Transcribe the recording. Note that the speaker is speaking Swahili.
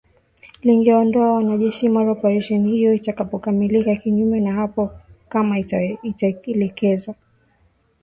Lingeondoa wanajeshi mara operesheni hiyo itakapokamilika kinyume na hapo kama itaelekezwa vinginevyo.